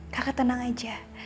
kakak tenang aja